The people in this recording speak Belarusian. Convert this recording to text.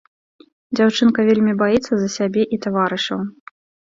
Дзяўчынка вельмі баіцца за сябе і таварышаў.